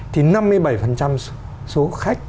thì năm mươi bảy số khách